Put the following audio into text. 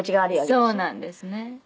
そうなんですね。